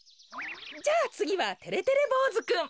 じゃあつぎはてれてれぼうずくん。